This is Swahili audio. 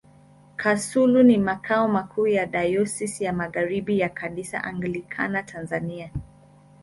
Kasulu ni makao makuu ya Dayosisi ya Magharibi ya Kanisa Anglikana Tanzania.